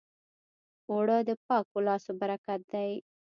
اوړه د پاکو لاسو برکت دی